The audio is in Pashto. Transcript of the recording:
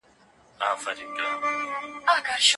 انسان د پټو رازونو له ويلو عاجز دی.